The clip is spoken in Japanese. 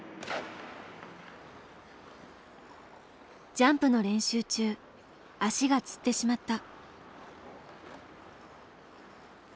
ジャンプの練習中足がつってしまった。